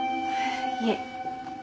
いえ。